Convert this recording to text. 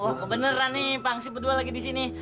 wah kebeneran nih pangsip berdua lagi di sini